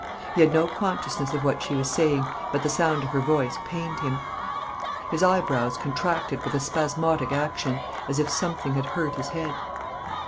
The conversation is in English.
He had no consciousness of what she was saying, but the sound of her voice pained him. His eyebrows contracted with a spasmodic action, as if something had hurt his head.